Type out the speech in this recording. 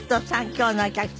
今日のお客様。